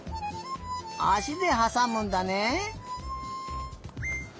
あしではさむんだね。